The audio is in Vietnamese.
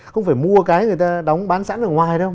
không phải mua cái người ta đóng bán sẵn ở ngoài đâu